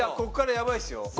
ここからやばいですよ。